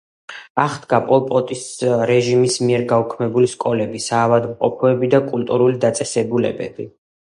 აღდგა პოლ პოტის რეჟიმის მიერ გაუქმებული სკოლები, საავადმყოფოები და კულტურული დაწესებულებები.